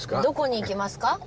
どこに行きますか？